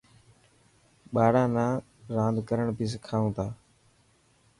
ٻاران نا راند ڪرڻ بهي سکائون ٿا.